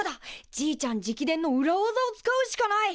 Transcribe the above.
じいちゃん直伝の裏わざを使うしかない！